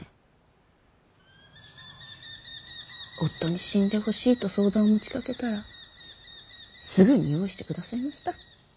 夫に死んでほしいと相談を持ちかけたらすぐに用意してくださいました。